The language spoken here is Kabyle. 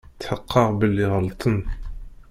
Tḥeqqeɣ belli ɣelṭen.